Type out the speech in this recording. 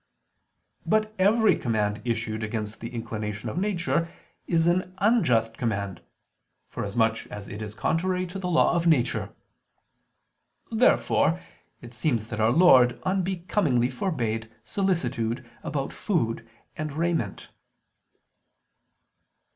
But every command issued against the inclination of nature is an unjust command, forasmuch as it is contrary to the law of nature. Therefore it seems that Our Lord unbecomingly forbade solicitude about food and raiment.